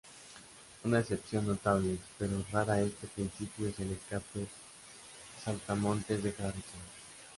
Una excepción notable pero rara a este principio es el escape saltamontes de Harrison.